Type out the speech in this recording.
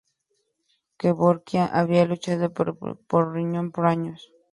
Kevorkian había luchado con problemas con su riñón por años.